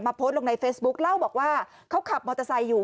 โพสต์ลงในเฟซบุ๊คเล่าบอกว่าเขาขับมอเตอร์ไซค์อยู่